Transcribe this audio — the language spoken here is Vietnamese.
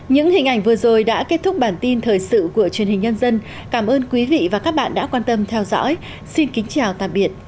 những hình ảnh vừa rồi đã kết thúc bản tin thời sự của truyền hình nhân dân cảm ơn quý vị và các bạn đã quan tâm theo dõi xin kính chào tạm biệt và hẹn gặp lại